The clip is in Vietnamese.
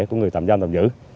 của người tạm giam tạm giữ